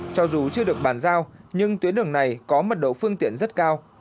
cho dù chưa được bàn giao nhưng tuyến đường này có mật độ phương tiện rất cao